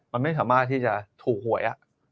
มันไม่สามารถที่จะถูกหวย